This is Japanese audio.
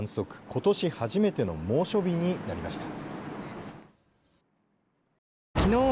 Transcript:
ことし初めての猛暑日になりました。